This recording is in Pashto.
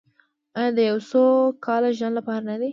آیا د یو سوکاله ژوند لپاره نه ده؟